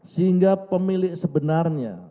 sehingga pemilik sebenarnya